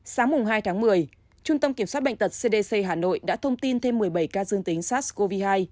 sáng hai tháng một mươi trung tâm kiểm soát bệnh tật cdc hà nội đã thông tin thêm một mươi bảy ca dương tính sars cov hai